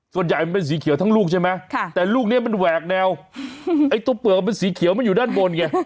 ส่วนใหญ่มันเป็นสีเขียวทั้งลูกใช่ไหมแต่ลูกนี้มันแหวกแนวไอ้ตัวเปลือกมันสีเขียวมันอยู่ด้านบนไง